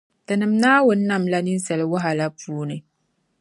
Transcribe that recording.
Tinim’ Naawuni nam la ninsala wahala puuni.